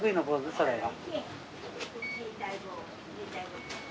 それが。